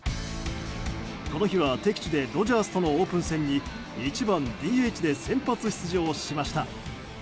この日は、敵地でドジャースとのオープン戦に１番ＤＨで先発出場しました。